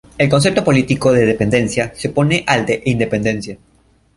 El concepto político de "dependencia" se opone al de independencia.